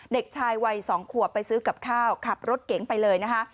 เด็กชายวัย๒ขวบไปซื้อกับข้าวขับรถเก๋งไปเลยนะคะ